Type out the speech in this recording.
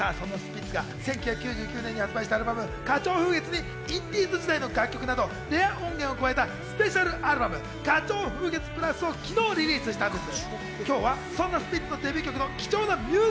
そんなスピッツが１９９９年に発売したアルバム『花鳥風月』にインディーズ時代の楽曲などレア音源を加えたスペシャルアルバム『花鳥風月＋』を昨日リリースしました。